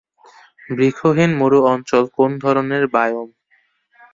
বৃক্ষহীন মরু অঞ্চল কোন ধরনের বায়োম?